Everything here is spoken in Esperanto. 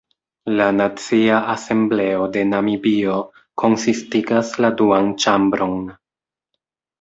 La Nacia Asembleo de Namibio konsistigas la duan ĉambron.